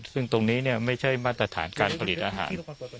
ซึ่งตรงนี้ไม่ใช่มาตรฐานการผลิตอาหาร